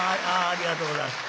ありがとうございます。